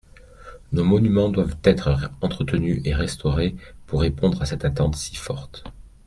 Nos monuments doivent être entretenus et restaurés pour répondre à cette attente si forte.